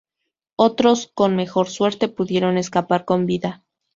Otros, con mejor suerte, pudieron escapar con vida.